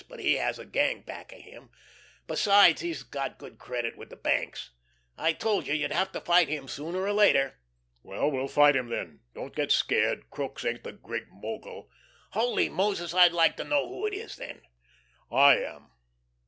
But he has a gang back of him besides, he's got good credit with the banks. I told you you'd have to fight him sooner or later." "Well, we'll fight him then. Don't get scared. Crookes ain't the Great Mogul." "Holy Moses, I'd like to know who is, then." "I am.